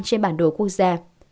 trên bản đồ quốc gia